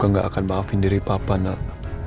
papa juga gak akan maafin diri papa nak